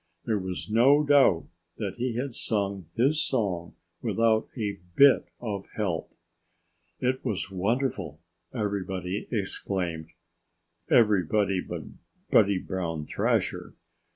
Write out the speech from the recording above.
There was no doubt that he had sung his song without a bit of help. "It was wonderful!" everybody exclaimed everybody but Buddy Brown Thrasher.